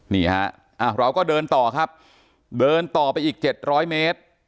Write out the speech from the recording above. นี่ฮะเราก็เดินต่อครับเดินต่อไปอีก๗๐๐เมตร